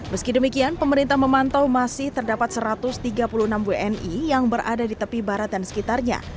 meski demikian pemerintah memantau masih terdapat satu ratus tiga puluh enam wni yang berada di tepi barat dan sekitarnya